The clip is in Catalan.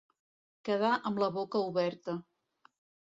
Quedar amb la boca oberta.